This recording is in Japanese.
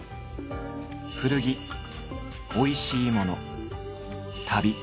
古着おいしいもの旅。